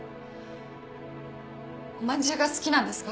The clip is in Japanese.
おまんじゅうが好きなんですか？